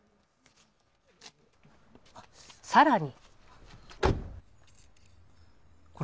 さらに。